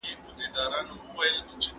مېنه خالي سي